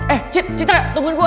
eh citra tungguin gue